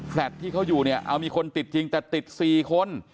แฟลต์ที่เขาอยู่เอามีคนติดจริงแต่ติด๔คน